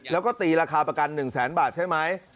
แล้วก็ตีราคาประกัน๑แสนบาทใช่ไหม